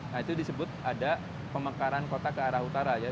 nah itu disebut ada pemekaran kota ke arah utara ya